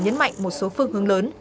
nhấn mạnh một số phương hướng lớn